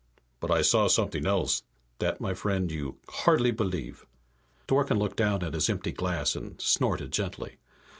But I saw somet'ing else. That, my friend, you hardly believe!" Dworken looked down at his empty glass and snorted gently.